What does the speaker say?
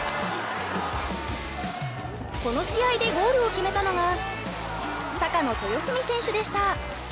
この試合でゴールを決めたのが阪野豊史選手でした。